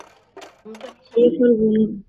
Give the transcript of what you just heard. আমাদের ফলাফল বলুন।